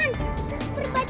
iya seru banget ya